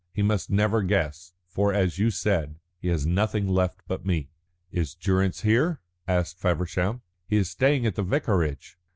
He must never guess, for, as you said, he has nothing left but me." "Is Durrance here?" asked Feversham. "He is staying at the vicarage."